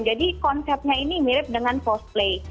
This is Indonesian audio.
jadi konsepnya ini mirip dengan cosplay